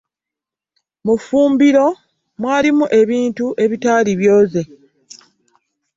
Mu ffumbiro mwalimu ebintu ebitali byoze.